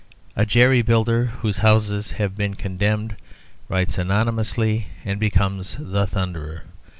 A jerry builder whose houses have been condemned writes anonymously and becomes the Thunderer.